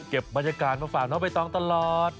บรรยากาศมาฝากน้องใบตองตลอด